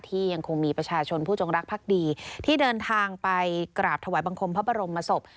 ยังคงมีประชาชนผู้จงรักภักดีที่เดินทางไปกราบถวายบังคมพระบรมศพ